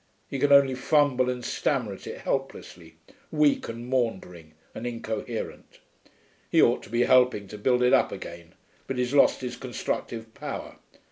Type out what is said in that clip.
He can only fumble and stammer at it helplessly, weak and maundering and incoherent. He ought to be helping to build it up again, but he 's lost his constructive power.